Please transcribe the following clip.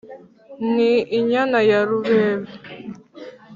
ni inyana ya rubebe